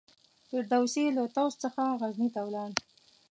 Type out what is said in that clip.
فردوسي له طوس څخه غزني ته ولاړ.